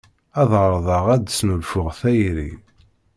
Ad εerḍeɣ ad d-snulfuɣ tayri